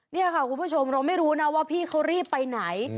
นี่ค่ะคุณผู้ชมเราไม่รู้นะว่าพี่เขารีบไปไหน